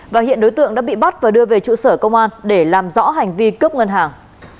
và hiện đối tượng đã bị bắt và đưa về trụ sở công an để làm rõ hành vi cướp ngân hàng